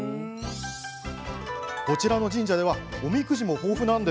こちらの神社ではおみくじも豊富。